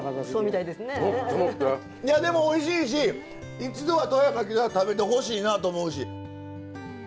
いやでもおいしいし一度は富山来たら食べてほしいなと思うし。